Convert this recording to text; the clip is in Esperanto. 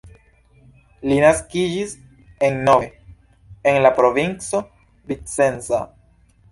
Li naskiĝis en Nove en la provinco Vicenza.